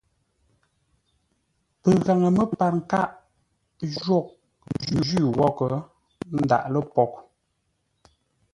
Pəgaŋə məpar kâʼ jôghʼ njwí wóghʼ ndáʼ lə poghʼ.